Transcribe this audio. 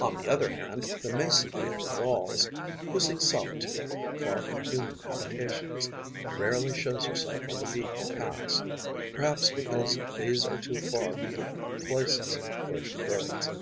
On the other hand, the Mason bee of the Walls, who seeks solitude, far from human habitations, rarely shows herself on the beaten paths, perhaps because these are too far from the places where she builds.